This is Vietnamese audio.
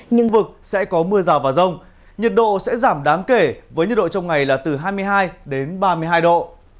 nhưng vực sẽ có mưa rào và rông nhiệt độ sẽ giảm đáng kể với nhiệt độ trong ngày là từ hai mươi hai đến ba mươi hai độ